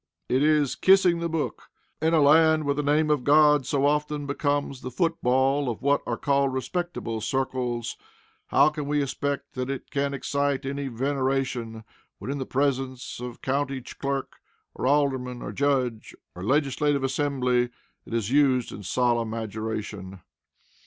It is "kissing the book!" In a land where the name of God so often becomes the foot ball of what are called respectable circles, how can we expect that it can excite any veneration when, in the presence of county clerk, or alderman, or judge, or legislative assembly, it is used in solemn adjuration?